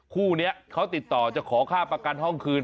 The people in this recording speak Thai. คู่นี้เขาติดต่อจะขอค่าประกันห้องคืน